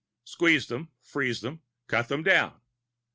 Squeeze them, freeze them, cut them down.